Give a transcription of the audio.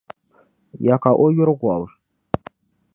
Ya ka o yuri gɔbu?